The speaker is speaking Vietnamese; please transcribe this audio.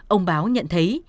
ông báo nhận thấy